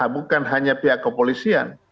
bukan hanya pihak kepolisian